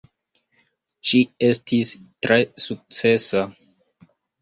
Ĝi estis tre sukcesa.